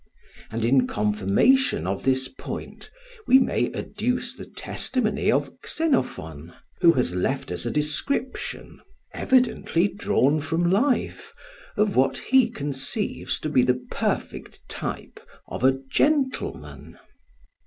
And in confirmation of this point we may adduce the testimony of Xenophon, who has left us a description, evidently drawn from life, of what he conceives to be the perfect type of a "gentleman."